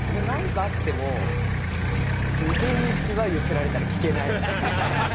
なんかあっても、眉間にしわ寄せられたら聞けない。